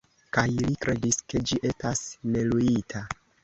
Kaj li kredis, ke ĝi estas neluita.